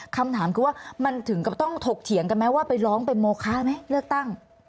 คำถามคือว่ามันถึงกับต้องถกเถียงกันไหมว่าไปร้องเป็นโมคะไหมเลือกตั้ง